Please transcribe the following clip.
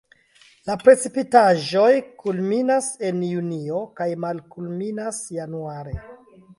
La precipitaĵoj kulminas en junio kaj malkulminas januare.